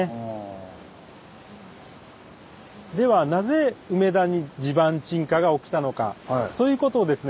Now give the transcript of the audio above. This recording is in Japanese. ではなぜ梅田に地盤沈下が起きたのかということをですね